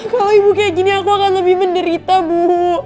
kalau ibu kayak gini aku akan lebih menderita bu